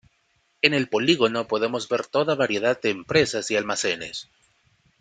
En el polígono podemos ver toda variedad de empresas y almacenes.